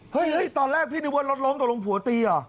เฮ่ยตอนแรกพี่นึกว่าลดล้มก็ลงผัวตีอ่ะ